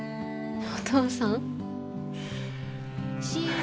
お父さん？